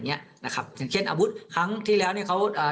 เงี้ยนะครับถึงเค็นอบุธครั้งที่แล้วเนี้ยเขาอ่า